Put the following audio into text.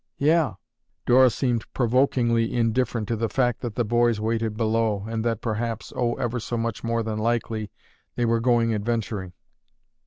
"Yeah." Dora seemed provokingly indifferent to the fact that the boys waited below, and that, perhaps, oh, ever so much more than likely, they were going adventuring.